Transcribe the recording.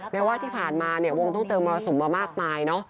แม้ว่าที่ผ่านมาเนี่ยวงต้องเจอมรสุมมามากมายเนอะ